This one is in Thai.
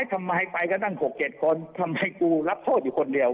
ทำไมไปก็ตั้ง๖๗คนทำไมกูรับโทษอยู่คนเดียว